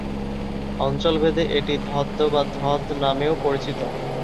অঞ্চলভেদে এটি ধদ্দ্ বা ধধ্ নামেও পরিচিত।